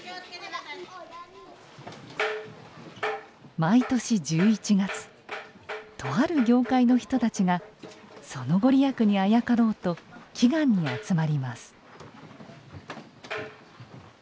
毎年１１月とある業界の人たちがその御利益にあやかろうと祈願に集まります。